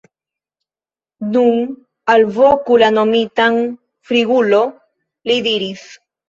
Nun alvoku la nomitan Frigulo, li diris.